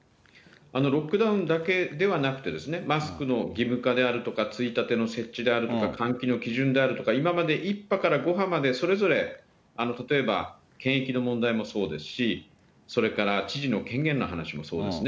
ロックダウンだけではなくて、マスクの義務化であるとか、ついたての設置であるとか、換気の基準であるとか、今まで１波から５波まで、それぞれ例えば、検疫の問題もそうですし、それから知事の権限の話もそうですね。